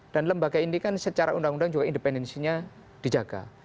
dan lembaga ini kan secara undang undang juga independensinya dijaga